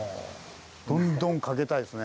どんどんかけたいですね。